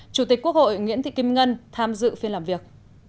chủ tịch quốc hội nguyễn thị kim ngân tham dự phiên làm việc